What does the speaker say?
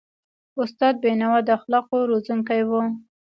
استاد بینوا د اخلاقو روزونکی و.